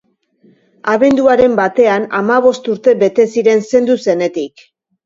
Abenduaren batean hamabost urte bete ziren zendu zenetik.